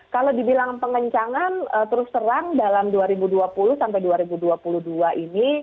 kalau dibilang pengencangan terus terang dalam dua ribu dua puluh sampai dua ribu dua puluh dua ini